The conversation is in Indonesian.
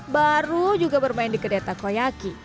baru juga bermain di kedai takoyaki